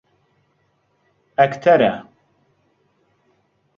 ئەکتەرە.